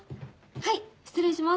はい失礼します。